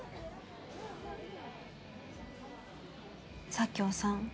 佐京さん